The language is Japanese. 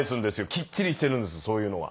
きっちりしてるんですそういうのは。